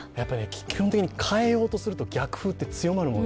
基本的に変えようとすると逆風って強まるもの。